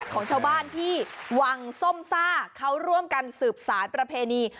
ของชาวบ้านที่วังส้มซ่าเขาร่วมกันสืบสารประเพณี